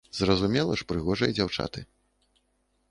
Зразумела ж, прыгожыя дзяўчаты.